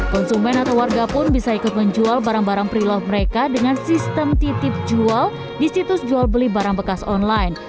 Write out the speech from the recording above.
konsumen atau warga pun bisa ikut menjual barang barang pre love mereka dengan sistem titip jual di situs jual beli barang bekas online